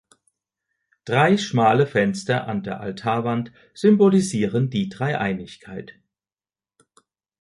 Drei schmale Fenster an der Altarwand symbolisieren die Dreieinigkeit.